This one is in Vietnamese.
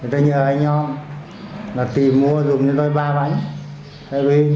tôi nhờ anh nhon tìm mua dùng cho tôi ba bánh